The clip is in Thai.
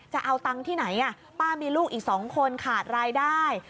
จะเอาตังค์ที่ไหนป้ามีลูกอีก๒คนขาดรายได้